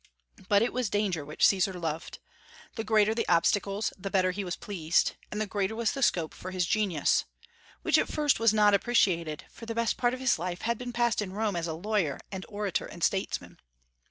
But it was danger which Caesar loved. The greater the obstacles the better was he pleased, and the greater was the scope for his genius, which at first was not appreciated, for the best part of his life had been passed in Rome as a lawyer and orator and statesman.